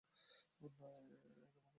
না, এ তো মাতা নয়।